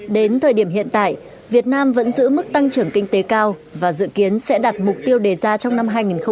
đến thời điểm hiện tại việt nam vẫn giữ mức tăng trưởng kinh tế cao và dự kiến sẽ đạt mục tiêu đề ra trong năm hai nghìn hai mươi